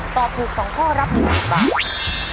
ตอบถูก๒ข้อรับ๑๐๐๐บาท